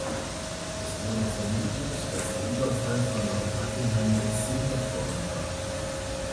Es wurde vermutet, dass der Überfall von Lord Buckingham inszeniert worden war.